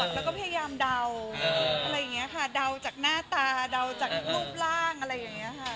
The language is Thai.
แล้วก็พยายามเดาอะไรอย่างนี้ค่ะเดาจากหน้าตาเดาจากรูป